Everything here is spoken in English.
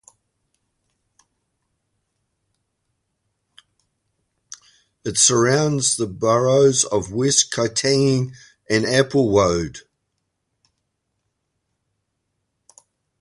It surrounds the boroughs of West Kittanning and Applewold.